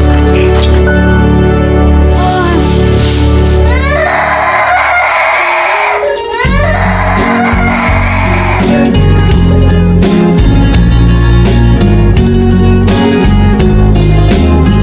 แค่เธอเดินต่อต้องไปถึงจุกไม้